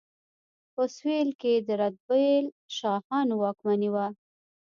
په سویل کې د رتبیل شاهانو واکمني وه.